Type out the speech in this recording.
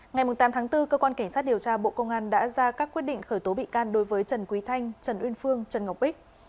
ngày tám tháng bốn cơ quan cảnh sát điều tra bộ công an đã ra các quyết định khởi tố bị can đối với trần quý thanh trần uyên phương trần ngọc bích